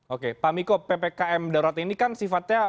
oke pak miko ppkm darurat ini kan sifatnya